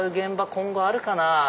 今後あるかなあ？